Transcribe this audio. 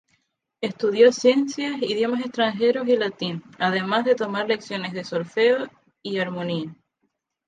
Estudió ciencias, idiomas extranjeros y latín, además de tomar lecciones de solfeo y armonía.